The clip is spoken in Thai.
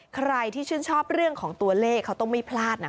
ใครที่ชื่นชอบเรื่องของตัวเลขเขาต้องไม่พลาดนะ